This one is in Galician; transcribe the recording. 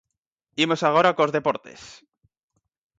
Imos agora cos deportes.